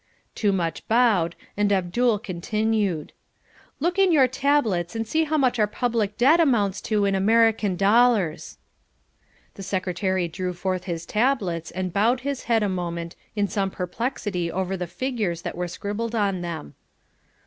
"' Toomuch bowed, and Abdul continued. "Look in your tablets and see how much our public debt amounts to in American dollars." The secretary drew forth his tablets and bowed his head a moment in some perplexity over the figures that were scribbled on them.